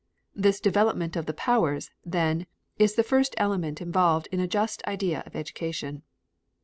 This development of the powers, then, is the first element involved in a just idea of education.